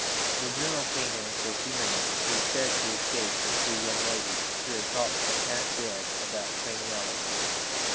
The general came in for a few minutes, he said, to escape from two young ladies, who had talked him half dead about craniology.